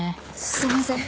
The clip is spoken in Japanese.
すいません。